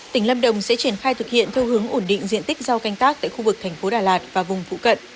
tỉnh lâm đồng sẽ triển khai thực hiện theo hướng ổn định diện tích rau canh tác tại khu vực thành phố đà lạt và vùng phụ cận